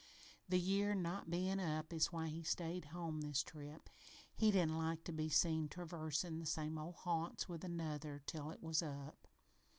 The year not bein' up is why he stayed home this trip. He didn't like to be seen traversin' the same old haunts with Another till it was up.